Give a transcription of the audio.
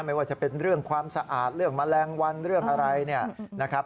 ไม่ว่าจะเป็นเรื่องความสะอาดเรื่องแมลงวันเรื่องอะไรเนี่ยนะครับ